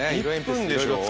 １分でしょ